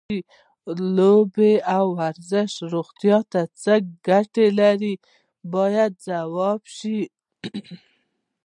لوبې او ورزش روغتیا ته څه ګټې لري باید ځواب شي.